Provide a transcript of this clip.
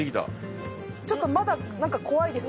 ちょっとまだなんか怖いです。